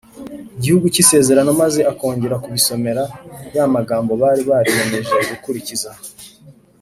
Gihugu cy Isezerano maze akongera kubasomera ya magambo bari bariyemeje gukurikiza